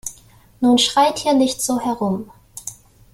Nun schreit hier nicht so herum!